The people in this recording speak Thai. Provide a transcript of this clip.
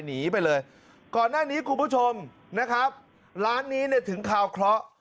หนีไปเลยก่อนหน้านี้คุณผู้ชมนะครับร้านนี้เนี่ยถึงข่าวเคราะห์